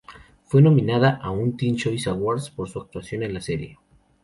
Fue nominada a un Teen Choice Awards por su actuación en la serie.